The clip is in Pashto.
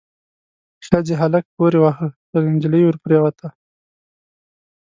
ښځې هلک پوري واهه، پر نجلۍ ور پريوته.